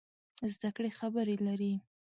زده کړې خبرې لري.